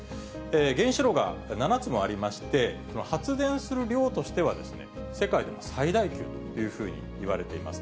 原子炉が７つもありまして、発電する量としては世界でも最大級というふうにいわれています。